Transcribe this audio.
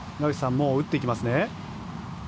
もう打っていきますね。